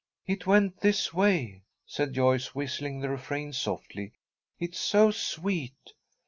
"It went this way," said Joyce, whistling the refrain, softly. "It's so sweet."